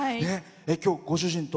きょう、ご主人と？